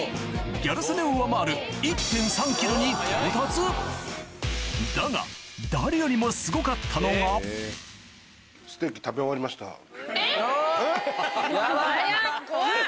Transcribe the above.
ギャル曽根を上回るに到達だが誰よりもすごかったのが早っ怖っ。